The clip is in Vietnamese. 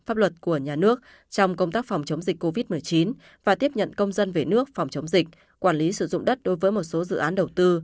pháp luật của nhà nước trong công tác phòng chống dịch covid một mươi chín và tiếp nhận công dân về nước phòng chống dịch quản lý sử dụng đất đối với một số dự án đầu tư